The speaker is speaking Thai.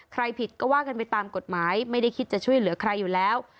ผิดก็ว่ากันไปตามกฎหมายไม่ได้คิดจะช่วยเหลือใครอยู่แล้ว